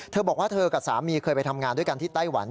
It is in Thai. เธอบอกว่าเธอกับสามีเคยไปทำงานด้วยกันที่ไต้หวัน